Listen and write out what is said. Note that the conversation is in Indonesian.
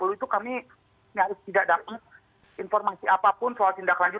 dua ribu dua puluh itu kami harus tidak dapat informasi apapun soal tindak lanjut